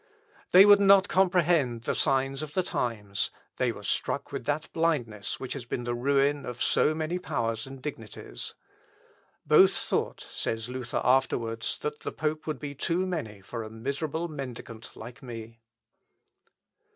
They would not comprehend the signs of the times; they were struck with that blindness which has been the ruin of so many powers and dignities. "Both thought," says Luther afterwards, "that the pope would be too many for a miserable mendicant like me."